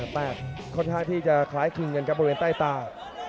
แตกค่อนข้างที่จะคล้ายคลึงกันครับบริเวณใต้ตา